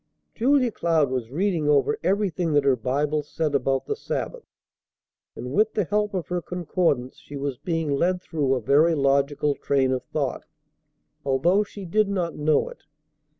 Julia Cloud was reading over everything that her Bible said about the Sabbath, and with the help of her concordance she was being led through a very logical train of thought, although she did not know it.